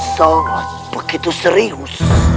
sangat begitu serius